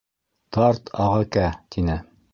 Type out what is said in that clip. — Тарт, ағакә, — тине.